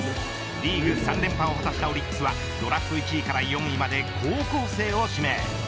リーグ３連覇を果たしたオリックスはドラフト１位から４位まで高校生を指名。